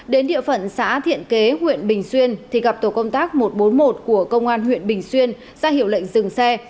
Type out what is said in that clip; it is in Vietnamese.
đến địa phận xã thiện kế huyện bình xuyên thì gặp tổ công tác một trăm bốn mươi một của công an huyện bình xuyên ra hiệu lệnh dừng xe